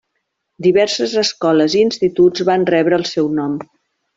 Diverses escoles i instituts van rebre el seu nom.